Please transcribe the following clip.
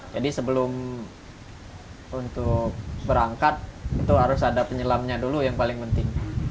jadi sebelum untuk berangkat itu harus ada penyelamnya dulu yang paling penting